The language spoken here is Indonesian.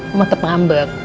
mama tetep ngambek